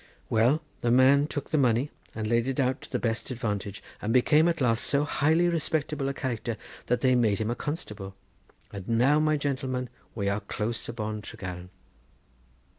Well: the man took the money, and laid it out to the best advantage, and became at last so highly respectable a character that they made him constable. And now, my gentleman, we are close upon Tregaron."